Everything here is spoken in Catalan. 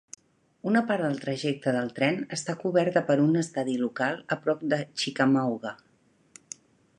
Una part del trajecte del tren està coberta per un estadi local a prop de Chickamauga.